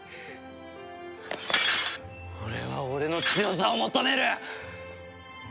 俺は俺の強さを求める！